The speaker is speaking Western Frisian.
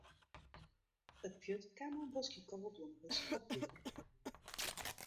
It pjut kaam mei in boskje koweblomkes op juffer ôf.